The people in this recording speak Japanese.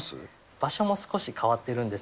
場所も少し変わってるんです